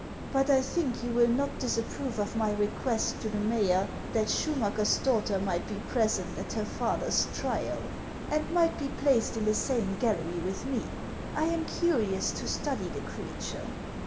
But I think yon will not disapprove of my request to the mayor that Schu niacker's daughter might be present at her father's trial, and might be placed in the same gallery with me. 1 am curious to study the creature."